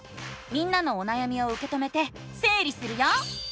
みんなのおなやみをうけ止めてせい理するよ！